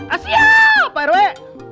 ah siap pak irwi